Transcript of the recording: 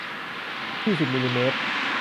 สี่สิบมิลลิลิตร